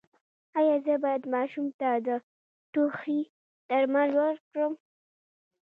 ایا زه باید ماشوم ته د ټوخي درمل ورکړم؟